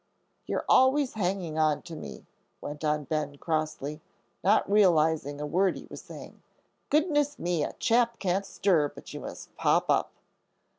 "You're always hanging on to me," went on Ben, crossly, not realizing a word he was saying. "Goodness me, a chap can't stir but you must pop up."